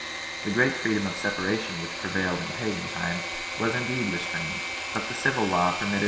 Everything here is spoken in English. The great freedom of separation which prevailed in pagan times was indeed restrained, but the civil law permitted many 1 It was noticed (Euseb.